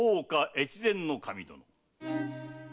越前守殿。